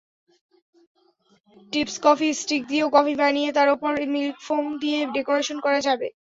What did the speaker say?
টিপসকফি stick দিয়েও coffee বানিয়ে তার ওপর মিল্ক ফোম দিয়ে ডেকোরেশন করা যাবে।